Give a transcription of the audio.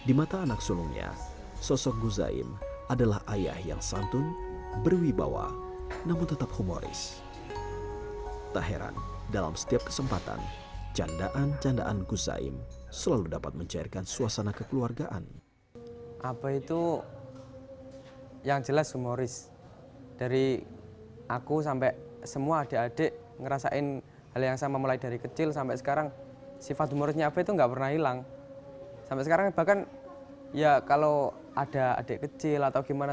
itu enggak pernah hilang sampai sekarang bahkan ya kalau ada adik kecil atau gimana